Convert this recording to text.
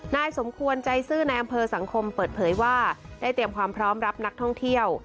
นายสมควรใจซื่อในอำเภอสังคมเปิดเผยว่าได้เตรียมความพร้อมรับนักท่องเที่ยว